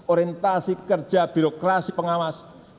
orientasi kerja birokrasi pengawas